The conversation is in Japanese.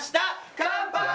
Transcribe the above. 乾杯！